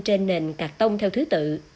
trên nền cà tông theo thứ tự